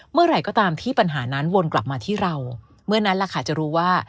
เมื่อไหร่ก็ตามที่ปัญหานั้นวนกลับมาที่เราเมื่อนั้นแหละค่ะจะรู้ว่า